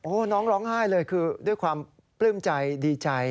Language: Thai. น้องร้องไห้เลยคือด้วยความปลื้มใจดีใจ